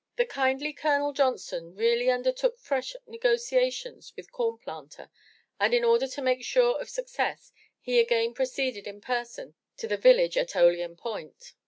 The kindly Colonel Johnson readily undertook fresh negotiations with Corn Planter and in order to make sure of success, he again pro ceeded in person to the village at Olean Point.